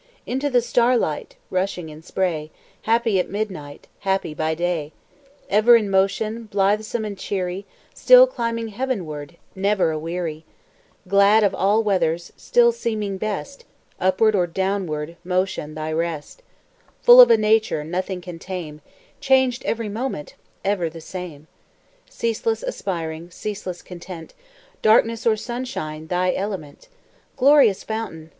Into the starlight, Rushing in spray, Happy at midnight, Happy by day; Ever in motion, Blithesome and cheery, Still climbing heavenward Never aweary; Glad of all weathers; Still seeming best, Upward or downward, Motion thy rest; Full of a nature Nothing can tame, Changed every moment, Ever the same; Ceaseless aspiring, Ceaseless content, Darkness or sunshine Thy element; Glorious fountain!